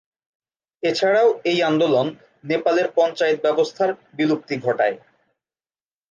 এছাড়াও এই আন্দোলন নেপালের পঞ্চায়েত ব্যবস্থার বিলুপ্তি ঘটায়।